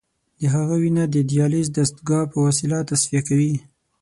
د هغه وینه د دیالیز د دستګاه په وسیله تصفیه کوي.